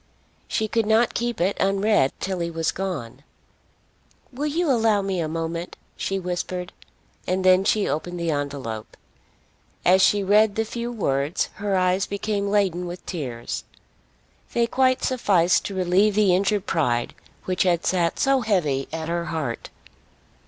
She could not keep it unread till he was gone. "Will you allow me a moment?" she whispered, and then she opened the envelope. As she read the few words her eyes became laden with tears. They quite sufficed to relieve the injured pride which had sat so heavy at her heart.